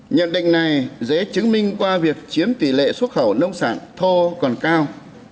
nhận định này dễ chứng minh qua việc chiếm tỷ lệ xuất khẩu nông sản thô còn cao